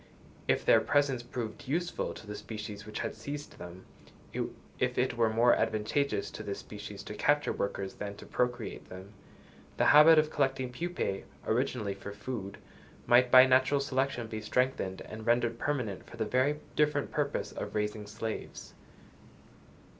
If their presence proved useful to the species which had seized them—if it were more advantageous to this species, to capture workers than to procreate them—the habit of collecting pupæ, originally for food, might by natural selection be strengthened and rendered permanent for the very different purpose of raising slaves.